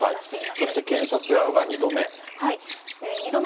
そして検察側が２度目。